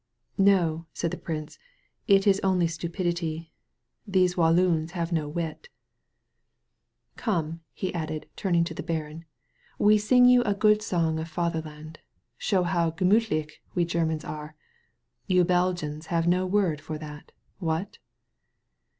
"No," said the prince, "it is only stupidity. These Walloons have no wit." 54 A SANCTUARY OP TREES Come/' he added, turning to the baron, "we sing you a good song of fatherland — ^show how gemiUhlich we Germans are. You Belgians have no word for that. What?"